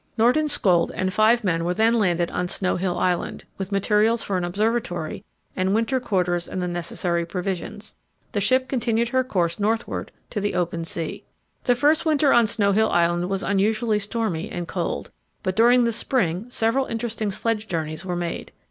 Nordenskjöld and five men were then landed on Snow Hill Island, with materials for an observatory and winter quarters and the necessary provisions. The ship continued her course northward to the open sea. The first winter on Snow Hill Island was unusually stormy and cold, but during the spring several interesting sledge journeys were made.